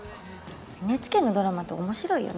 ＮＨＫのドラマって面白いよね。